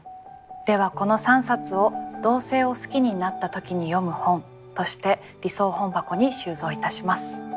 ではこの３冊を「同性を好きになった時に読む本」として理想本箱に収蔵いたします。